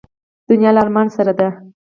دنیا له ارمان سره ده.